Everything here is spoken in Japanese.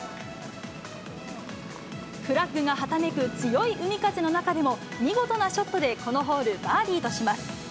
フラッグがはためく、強い海風の中でも、見事なショットでこのホール、バーディーとします。